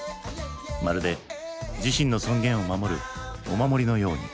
まるで自身の尊厳を守るお守りのように。